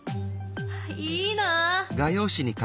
いいなあ。